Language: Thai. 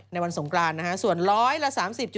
ในวันสงกรานนะฮะส่วนร้อยละ๓๐